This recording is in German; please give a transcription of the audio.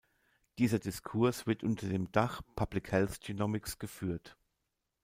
Dieser Diskurs wird unter dem Dach Public Health Genomics geführt.